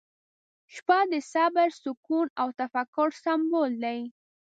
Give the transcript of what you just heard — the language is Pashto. • شپه د صبر، سکون، او تفکر سمبول دی.